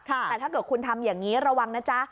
แต่ถ้าเกิดคุณทำอย่างนี้ระวังนะจ๊ะ